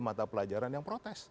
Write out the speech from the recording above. mata pelajaran yang protes